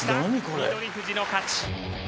翠富士の勝ち！